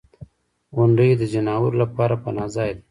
• غونډۍ د ځناورو لپاره پناه ځای دی.